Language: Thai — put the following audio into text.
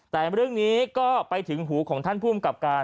แต่เรื่องนี้ก็ไปถึงหูของท่านภูมิกับการ